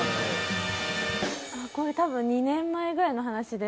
これ多分２年前ぐらいの話で。